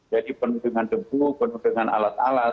jadi penuh dengan debu penuh dengan alat alat